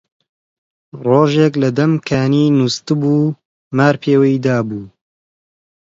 ڕۆژێک لە دەم کانی نوستبوو، مار پێوەی دابوو